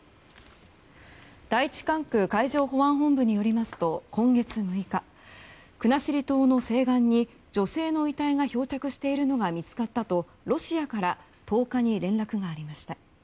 第１管区海上保安本部によりますと今月６日、国後島の西岸に女性の遺体が漂着しているのが見つかったとロシアから１０日に連絡がありました。